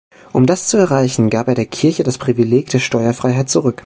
Um das zu erreichen, gab er der Kirche das Privileg der Steuerfreiheit zurück.